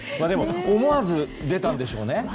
でも、思わず出たんでしょうね。